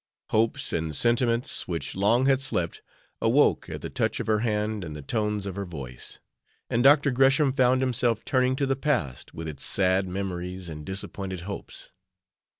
Hopes and sentiments which long had slept awoke at the touch of her hand and the tones of her voice, and Dr. Gresham found himself turning to the past, with its sad memories and disappointed hopes.